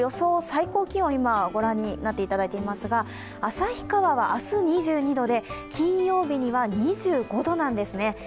最高気温を今、御覧になっていただいていますが、旭川は明日２２度で金曜日には２５度なんですね。